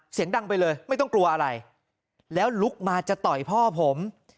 เสียงดังไปเลยไม่ต้องกลัวอะไรแล้วลุกมาจะต่อยพ่อผม